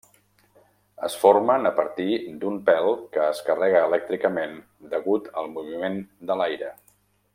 Es formen a partir d'un pèl que es carrega elèctricament degut al moviment de l'aire.